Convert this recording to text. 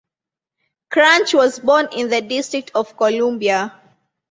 Cranch was born in the District of Columbia.